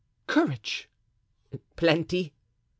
"Courage?" "Plenty."